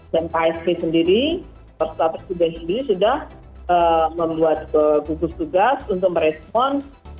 dan psp sendiri persatuan sudah membuat gugus tugas untuk merespon